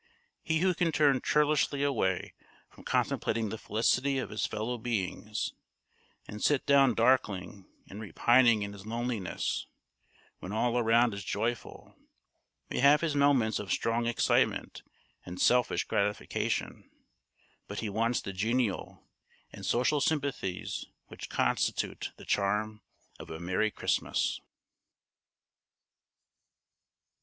He who can turn churlishly away from contemplating the felicity of his fellow beings, and sit down darkling and repining in his loneliness when all around is joyful, may have his moments of strong excitement and selfish gratification, but he wants the genial and social sympathies which constitute the charm of a merry Christmas.